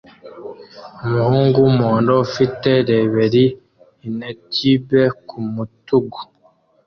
Umuhungu wumuhondo ufite reberi innertube kumutugu